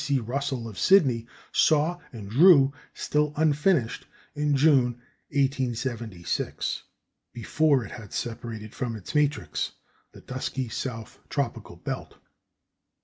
C. Russell of Sydney saw and drew still unfinished in June, 1876, before it had separated from its matrix, the dusky south tropical belt.